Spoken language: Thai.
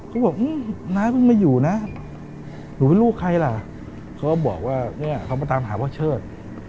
เขาบอกน้าเพิ่งมาอยู่นะหนูเป็นลูกใครล่ะเขาก็บอกว่าเนี่ยเขามาตามหาพ่อเชิด